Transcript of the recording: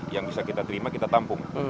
yang bisa kita terima kita tampung